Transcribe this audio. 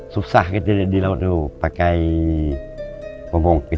susah kalau ada di laut tahu pake kompong kecil kayak gini